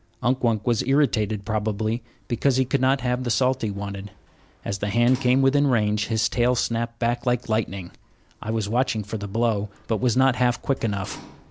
Unk Wunk was irritated, probably, because he could not have the salt he wanted. As the hand came within range, his tail snapped back like lightning. I was watching for the blow, but was not half quick enough.